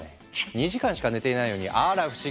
２時間しか寝てないのにあら不思議！